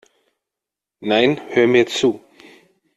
Nein, hör mir zu!